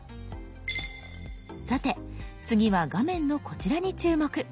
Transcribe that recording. さて次は画面のこちらに注目。